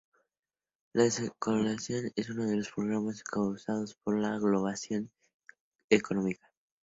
La deslocalización es uno de los problemas causados por la globalización económica.